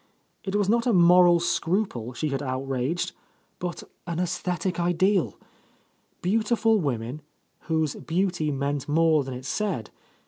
It was not a moral scruple she had out raged, but an aesthetic ideal. Beautiful women, whose beauty meant more than it said